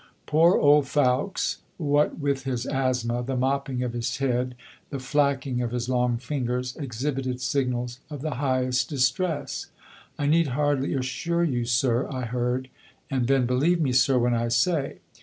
Poor old Fowkes, what with his asthma, the mopping of his head, the flacking of his long fingers, exhibited signals of the highest distress. "I need hardly assure you, sir ..." I heard; and then, "Believe me, sir, when I say...."